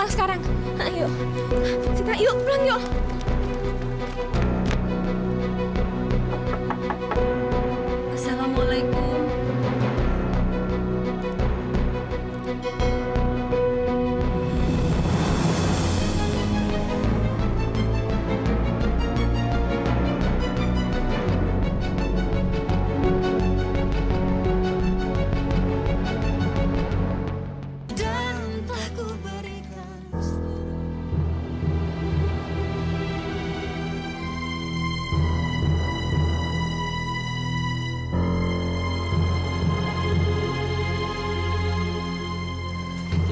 ibu sama sekali belum pernah menyentuh dia